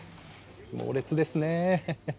猛烈ですねえ。